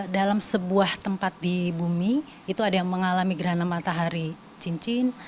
dalam sebuah tempat di bumi itu ada yang mengalami gerhana matahari cincin